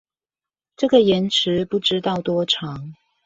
這個延遲不知道多長